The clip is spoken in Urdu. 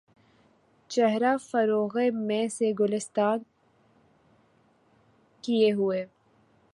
چہرہ فروغِ مے سے گُلستاں کئے ہوئے